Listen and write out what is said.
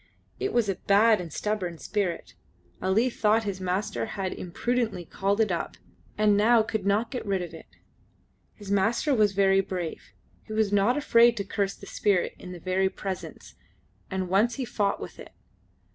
It was a bad and stubborn spirit. Ali thought his master had imprudently called it up, and now could not get rid of it. His master was very brave; he was not afraid to curse this spirit in the very Presence; and once he fought with it.